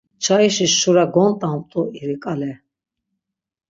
Çayişi şura gont̆amt̆u iri ǩale.